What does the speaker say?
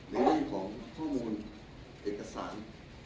ในเรื่องของข้อมูลเอกสาร